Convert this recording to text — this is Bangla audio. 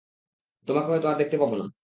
তোমাকে হয়তো আর দেখতে পাব না।